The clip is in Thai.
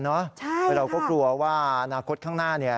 ใช่ค่ะแล้วเราก็กลัวว่าอนาคตข้างหน้า